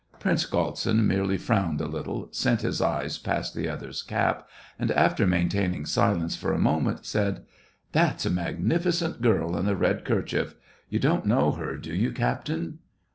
Prince Galtsin merely frowned a little, sent his eyes past the other's cap, and, after maintaining silence for a moment, said :—" That's a magnificent girl in the red kerchief. You don't know her, do you, captain